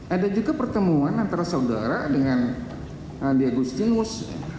ada juga pertemuan antara saudara dengan diagustinus